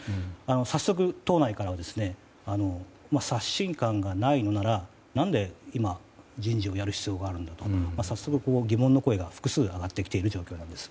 早速、党内からは刷新感がないのなら何で今人事をやる必要があるんだと早速、疑問の声が複数上がってきている状況です。